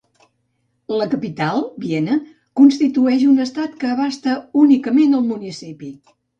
La capital, Viena, constitueix un estat que abasta únicament el municipi.